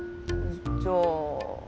じゃあ。